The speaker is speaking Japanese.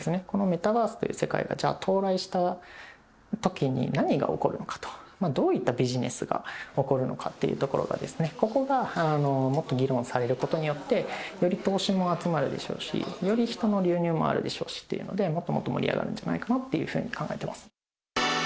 このメタバースという世界が到来したときに何が起こるのかと、どういったビジネスが起こるのかっていうところですね、ここがもっと議論されることによって、より投資も集まるでしょうし、より人の流入もあるでしょうしというので、もっともっと盛り上がるんじゃないかなというふうに考えてます。